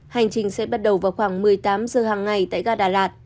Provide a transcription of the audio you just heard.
hành trình sẽ bắt đầu vào khoảng một mươi tám giờ hàng ngày tại ga đà lạt